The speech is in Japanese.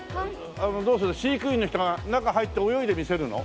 どうする飼育員の人が中入って泳いで見せるの？